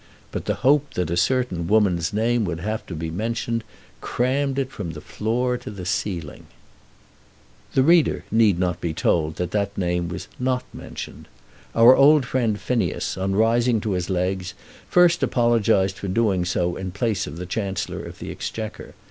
But the hope that a certain woman's name would have to be mentioned, crammed it from the floor to the ceiling. The reader need not be told that that name was not mentioned. Our old friend Phineas, on rising to his legs, first apologised for doing so in place of the Chancellor of the Exchequer.